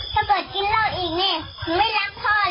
ถ้าเกิดกินร่ออีกเนี่ยดูไม่รักพ่อเลย